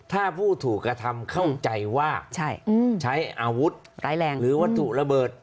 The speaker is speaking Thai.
ถ้าผู้ถูกกระทำเข้าใจว่าใช้อาวุธร้ายแรงหรือวัตถุระเบิด